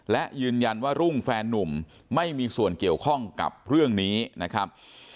และยืนยันว่ารุ่งแฟนนุ่มไม่มีส่วนเกี่ยวข้องกับเรื่องนี้นะครับ